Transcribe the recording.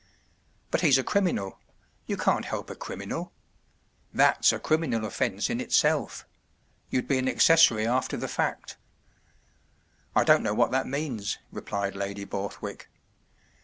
“ But he’s a criminal. You can’t help a criminal. That’s a criminal offence in itself. You’d be an accessor)' after the fact.” “ I don’t know what that means,” replied Lady Borthwick.